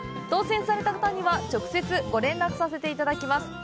当せんされた方には、直接ご連絡させていただきます。